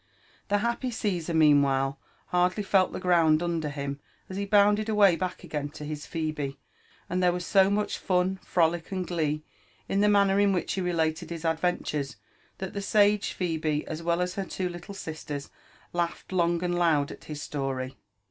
" The happy Gssar, meanwhile, hardly felt the ground under hink as he bounded away back again to his Phebe ; and there was so much fun, frolic, and glee in the manner in which he related his adventures, tliat the sage Phebe, as well as her two little sisters, laughed long and loud at his story.